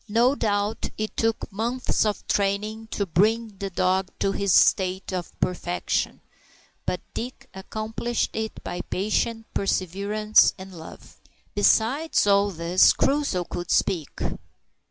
No doubt it took many months of training to bring the dog to this state of perfection, but Dick accomplished it by patience, perseverance, and love. Besides all this, Crusoe could speak!